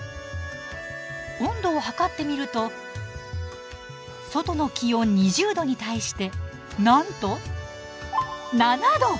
温度を測ってみると外の気温２０℃に対してなんと７℃。